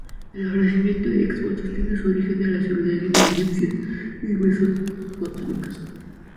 El ofrecimiento de exvotos tiene su origen en las civilizaciones egipcias y mesopotámicas.